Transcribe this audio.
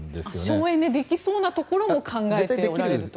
省エネできそうなところも考えてらっしゃると。